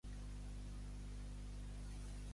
Anem a córrer la taronja!